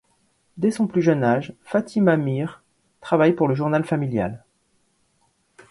Dès son plus jeune âge, Fatima Meer travaille pour le journal familial.